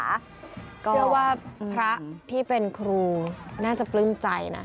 เชื่อว่าพระที่เป็นครูน่าจะปลื้มใจนะ